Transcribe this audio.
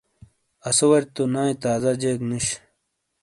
آسو وری تو نائی تازہ جیک نوش ۔